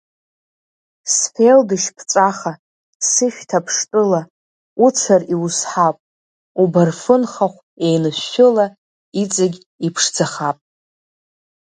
Сфелдышь ԥҵәаха, сышәҭ аԥштәыла, уцәар иузҳап, убарфын хахә еинышәшәыла, иҵегь иԥшӡахап.